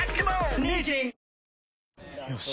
よし。